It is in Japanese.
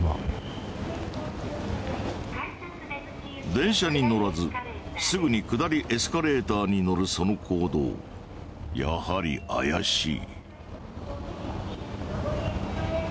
電車に乗らずすぐに下りエスカレーターに乗るその行動やはり怪しい。